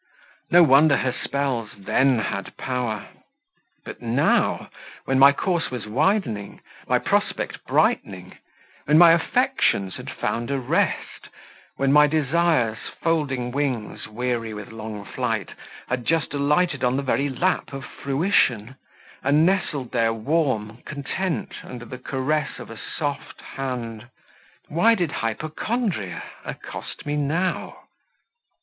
No wonder her spells THEN had power; but NOW, when my course was widening, my prospect brightening; when my affections had found a rest; when my desires, folding wings, weary with long flight, had just alighted on the very lap of fruition, and nestled there warm, content, under the caress of a soft hand why did hypochondria accost me now?